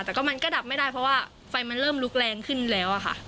แต่ก็มันก็ดับไม่ได้เพราะว่าไฟมันเริ่มลุกแรงขึ้นแล้วค่ะ